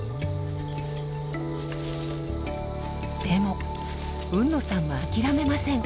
でも海野さんは諦めません。